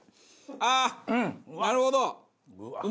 ああーなるほど！